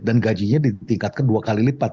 dan gajinya ditingkatkan dua kali lipat